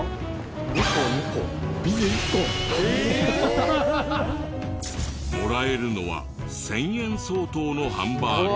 ２１個！もらえるのは１０００円相当のハンバーグ。